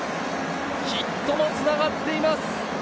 ヒットも繋がっています。